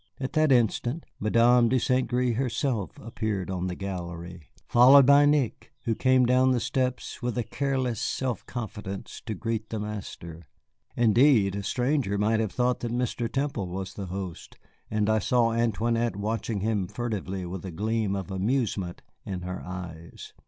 At that instant Madame de St. Gré herself appeared on the gallery, followed by Nick, who came down the steps with a careless self confidence to greet the master. Indeed, a stranger might have thought that Mr. Temple was the host, and I saw Antoinette watching him furtively with a gleam of amusement in her eyes.